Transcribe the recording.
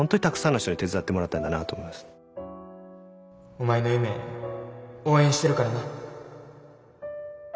お前の夢応援してるからな。